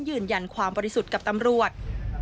ยืนยันความบริสุทธิ์กับตำรวจ